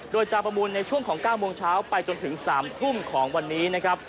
โดยจะประมูลในช่วงของ๙โมงเช้าไปจนถึง๓ทุ่มของวันนี้นะครับ